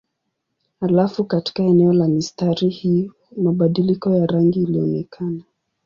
Halafu katika eneo la mistari hii mabadiliko ya rangi ilionekana.